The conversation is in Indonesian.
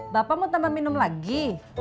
bapak mau tambah minum lagi